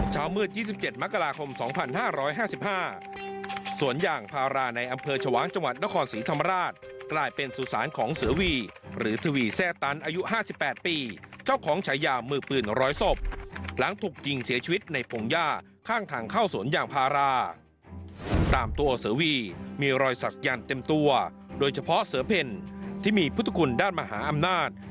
เช้ามืด๒๗มกราคม๒๕๕๕สวนยางพาราในอำเภอชวางจังหวัดนครศรีธรรมราชกลายเป็นสุสานของเสือวีหรือทวีแทร่ตันอายุ๕๘ปีเจ้าของฉายามือปืน๑๐๐ศพหลังถูกยิงเสียชีวิตในพงหญ้าข้างทางเข้าสวนยางพาราตามตัวเสือวีมีรอยสักยันต์เต็มตัวโดยเฉพาะเสือเพ่นที่มีพุทธคุณด้านมหาอำนาจ